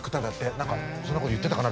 何かそんなこと言ってたかな。